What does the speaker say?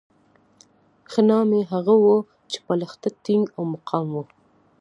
ښه نامي هغه وو چې په لښته ټینګ او مقاوم وو.